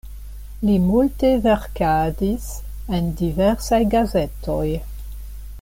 Li multe verkadis en diversaj gazetoj.